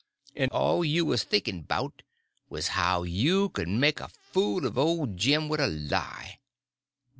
En all you wuz thinkin' 'bout wuz how you could make a fool uv ole Jim wid a lie.